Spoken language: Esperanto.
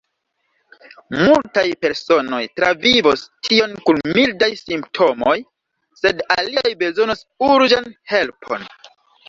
Multaj personoj travivos tion kun mildaj simptomoj, sed aliaj bezonos urĝan helpon.